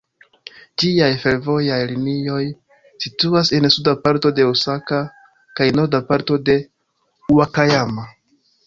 Ĝiaj fervojaj linioj situas en suda parto de Osaka kaj norda parto de Ŭakajama.